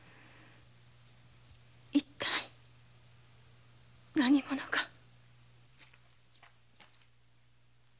一体何者が？